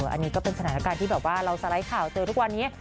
อันนี้ก็เป็นสถานการณ์ที่แบบว่าเราสไลด์ข่าวเจอทุกวันนี้